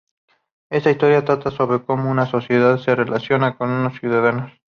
Esta historia trata sobre como una sociedad se relaciona con sus ciudadanos.